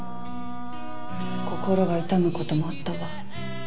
心が痛むこともあったわ。